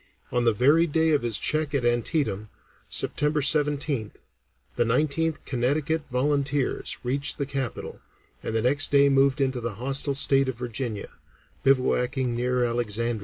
On the very day of his check at Antietam, September 17th, the Nineteenth Connecticut Volunteers reached the capital, and the next day moved into the hostile state of Virginia, bivouacking near Alexandria.